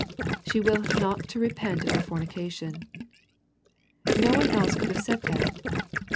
'■ She willeth not to repent of her fornication." No one else could have said that.